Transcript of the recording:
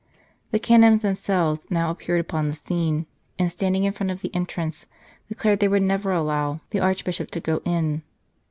The Canons themselves now appeared upon the scene, and, standing in front of the entrance, declared they would never allow the Archbishop to go in.